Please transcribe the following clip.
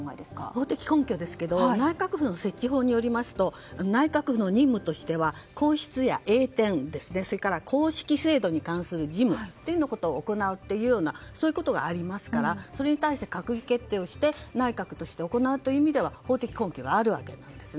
法的根拠ですが内閣府の設置法によりますと内閣の任務としては皇室や栄転それから公式制度に関する事務を行うというようなことがありますからそれに対して閣議決定をして内閣として行うという意味では法的根拠があるというわけなんです。